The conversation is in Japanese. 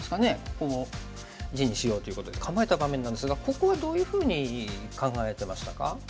こう地にしようということで構えた場面なんですがここはどういうふうに考えてましたか？